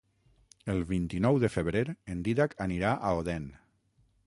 El vint-i-nou de febrer en Dídac anirà a Odèn.